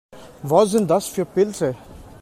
Was sind das für Pilze?